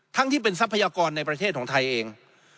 ทั้งที่เป็นทรัพยากรในประเทศของไทยเอง